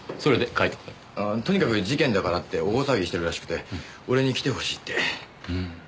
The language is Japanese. カイトくん。とにかく事件だからって大騒ぎしてるらしくて俺に来てほしいって。